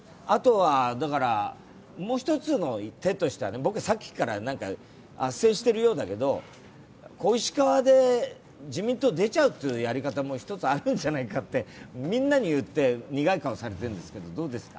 もう一つの手としたら僕、さっきからあっせんしているようだけど小石河で、自民党出ちゃうというやり方も１つあるんじゃないかって、みんなに言って苦い顔をされてるんですけどどうですか？